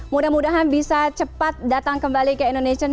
mudah mudahan bisa cepat datang kembali ke indonesia